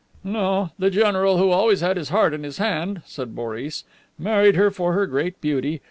"No. The general, who always had his heart in his hand," said Boris, "married her for her great beauty.